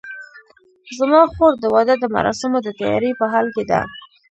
زما خور د واده د مراسمو د تیارۍ په حال کې ده